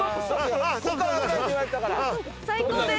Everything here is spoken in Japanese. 最高です。